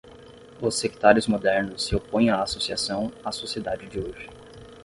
Os sectários modernos se opõem à associação à sociedade de hoje.